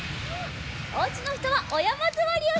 おうちのひとはおやまずわりをしてください。